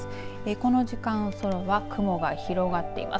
この時間空は雲が広がっています。